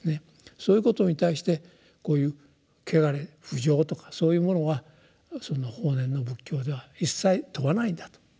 そういうことに対してこういう穢れ不浄とかそういうものは法然の仏教では一切問わないんだと。